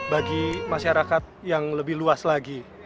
bagi masyarakat yang lebih luas lagi